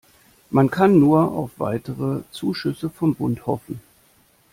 Man kann nur auf weitere Zuschüsse vom Bund hoffen.